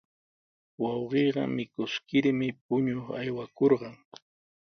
Wawqiiqa mikuskirmi puñuq aywakurqan.